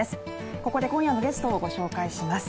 ここで今夜のゲストをご紹介します。